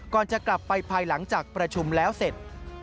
ก่อนจะกลับไปภายหลังจากประชุมแล้วเสร็จ